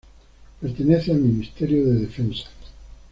Pertenece al Ministerio de Defensa.